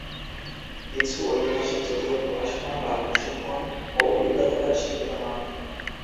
কিছু ঐতিহাসিক যদিও, প্রকাশনা বা প্রশিক্ষণ ও অভিজ্ঞতা দ্বারা স্বীকৃত হন।